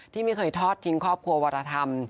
ที่ไม่เคยทอดทิ้งครอบครัววรธรรม